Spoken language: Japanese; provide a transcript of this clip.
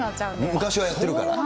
昔はやっているから。